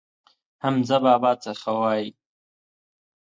حمزه بابا څه ښه وايي.